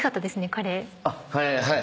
カレーはい。